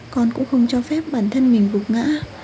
con cũng không cho phép bản thân mình bục ngã